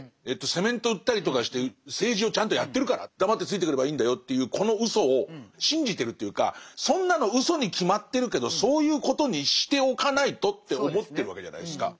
セメント売ったりとかして政治をちゃんとやってるから黙ってついてくればいいんだよっていうこのうそを信じてるというかそんなのうそに決まってるけどそういうことにしておかないとって思ってるわけじゃないですか。